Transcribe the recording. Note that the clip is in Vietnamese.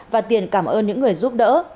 và tiền cảm ơn những người giúp đỡ